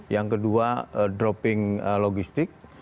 yang kedua dropping logistik